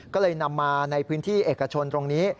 ก็เลยนำมาในพื้นที่เอกชนตรงนี้